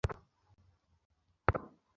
এ অঞ্চলে তাঁর খুব পসার আছে।